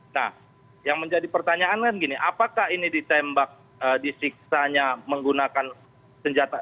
nah yang menjadi pertanyaan kan gini apakah ini ditembak disiksanya menggunakan senjata